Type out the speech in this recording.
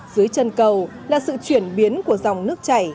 dưới chân cầu là sự chuyển biến của dòng nước chảy